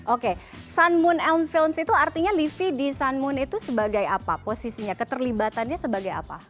oke sun moon and films itu artinya livi di sun moon itu sebagai apa posisinya keterlibatannya sebagai apa